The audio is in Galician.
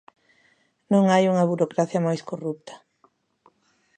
Non hai unha burocracia máis corrupta.